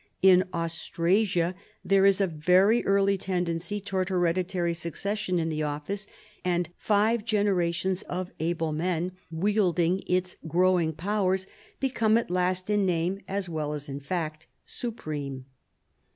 In Austrasia there is a very early tendency towards hereditary succession in the office, and five gener ations of able men wielding its growing powers be come at last in name, as well as in fact, supreme.